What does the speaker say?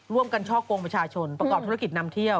ช่อกงประชาชนประกอบธุรกิจนำเที่ยว